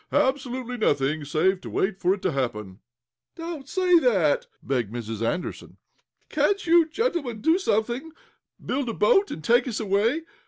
"Absolutely nothing, save to wait for it to happen." "Don't say that!" begged Mrs. Andersen. "Can't you gentlemen do something build a boat and take us away.